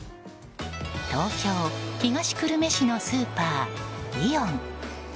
東京・東久留米市のスーパー、イオン。